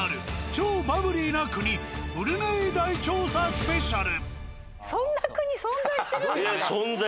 ［超バブリーな国ブルネイ大調査スペシャル！］